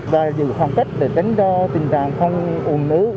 và giữ khoảng cách để tính cho tình trạng không ủn ứ